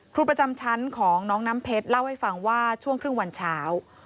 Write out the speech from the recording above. ครูประจำชั้นของน้องน้ำเพชรเล่าให้ฟังว่าช่วงครึ่งวันเช้า